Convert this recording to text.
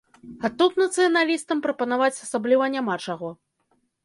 А тут нацыяналістам прапанаваць асабліва няма чаго.